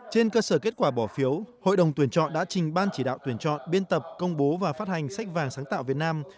trên cơ sở kết quả bỏ phiếu hội đồng tuyển chọn đã trình ban chỉ đạo tuyển chọn biên tập công bố và phát hành sách vàng sáng tạo việt nam